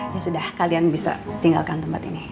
ya sudah kalian bisa tinggalkan tempat ini